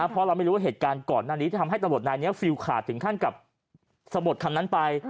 เพราะเราไม่รู้ว่าเหตุการณ์ก่อนหน้านี้ที่ทำให้ตำรวจนายนี้ฟิลขาดถึงขั้นกับสะบดคันนั้นไป